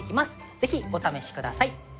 是非お試しください。